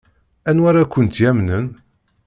Anwa ara kent-yamnen?